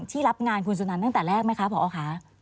รับงานคุณสุนันตั้งแต่แรกไหมคะพอค่ะ